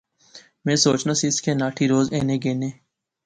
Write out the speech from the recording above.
میں سوچنا سیس کہ ناٹھی روز اینے گینے